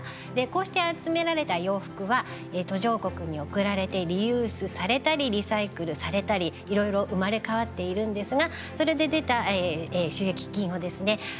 こうして集められた洋服は途上国に送られてリユースされたりリサイクルされたりいろいろ生まれ変わっているんですがそれで出た収益金をですね